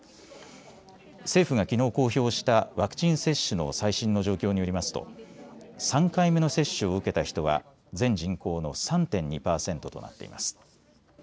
政府がきのう公表したワクチン接種の最新の状況によりますと３回目の接種を受けた人は全人口の３．２％となっています。